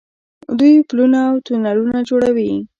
دوی پلونه او تونلونه جوړوي.